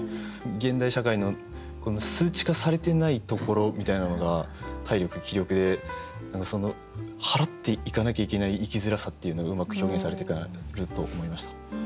現代社会の数値化されていないところみたいなのが体力気力で払っていかなきゃいけない生きづらさっていうのがうまく表現されてると思いました。